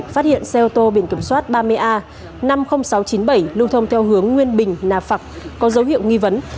phát hiện xe ô tô biển kiểm soát ba mươi a năm mươi nghìn sáu trăm chín mươi bảy lưu thông theo hướng nguyên bình nà phạc có dấu hiệu nghi vấn